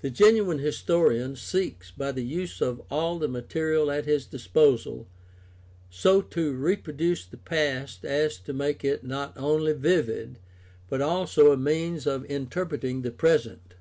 The genuine historian seeks, by the use of all the material at his disposal, so to reproduce the past as to make it not only vivid, but also a means of inter preting the present.